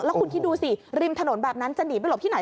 แล้วคุณคิดดูสิริมถนนแบบนั้นจะหนีไปหลบที่ไหน